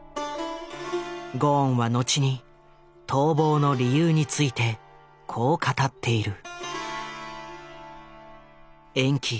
ゴーンは後に逃亡の理由についてこう語っている。